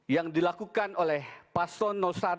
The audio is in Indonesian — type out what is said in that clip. yang dilakukan oleh paslon satu